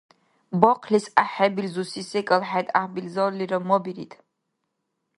Бахълис гӀяхӀхӀебилзуси секӀал хӀед гӀяхӀбилзаллира мабирид.